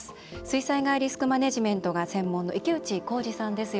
水災害リスクマネジメントが専門の池内幸司さんです。